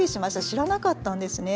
知らなかったんですね。